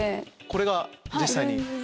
これが実際に。